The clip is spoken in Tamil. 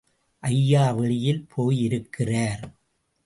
ஐயா வெளியில் போயிருக்கிறார்.